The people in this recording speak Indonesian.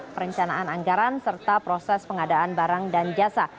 perencanaan anggaran serta proses pengadaan barang dan jasa